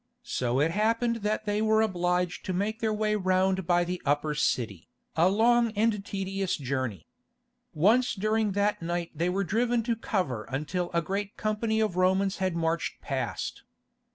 So it happened that they were obliged to make their way round by the Upper City, a long and tedious journey. Once during that night they were driven to cover until a great company of Romans had marched past.